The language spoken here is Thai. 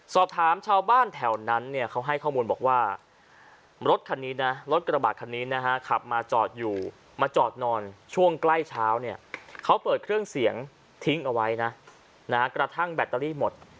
สอบถามชาวบ้านแถวนั้นเนี่ยเขาให้ข้อมูลบอกว่ารถคันนี้นะรถกระบะคันนี้นะฮะขับมาจอดอยู่มาจอดนอนช่วงใกล้เช้าเนี่ยเขาเปิดเครื่องเสียงทิ้งเอาไว้นะกระทั่งแบตเตอรี่หมด